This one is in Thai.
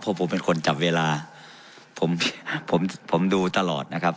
เพราะผมเป็นคนจับเวลาผมผมดูตลอดนะครับ